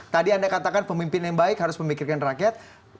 tadi anda katakan pemimpin yang baik harus memikirkan rakyat